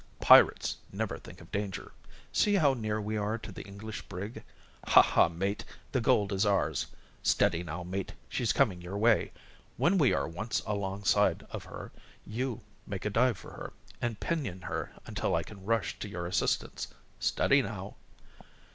"Pirates never think of danger. See how near we are to the English brig. Ha, ha, mate, the gold is ours. Steady now, mate, she's coming your way. When we are once alongside of her, you make a dive for her, and pinion her until I can rush to your assistance. Steady now."